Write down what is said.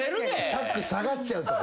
チャック下がっちゃうとか。